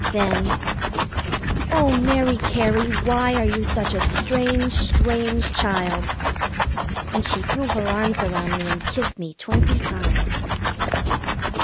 Then: "Oh, Mary Cary, why are you such a strange, strange child?" And she threw her arms around me and kissed me twenty times.